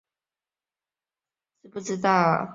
用户常常有需要去进行剪下和贴上。